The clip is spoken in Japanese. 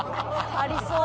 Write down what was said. ありそう。